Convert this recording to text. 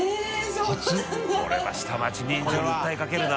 これは下町人情に訴えかけるな。